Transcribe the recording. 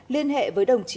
liên hệ với đồng chí